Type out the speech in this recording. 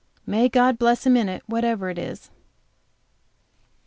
May God bless him in it, whatever it is.